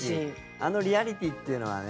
あのリアリティーっていうのはね。